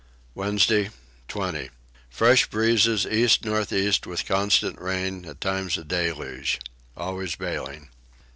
Wednesday 20. Fresh breezes east north east with constant rain, at times a deluge. Always baling.